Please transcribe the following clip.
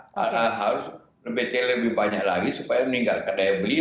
karena harus bnt lebih banyak lagi supaya meninggalkan daya beli